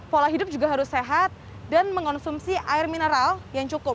pola hidup juga harus sehat dan mengonsumsi air mineral yang cukup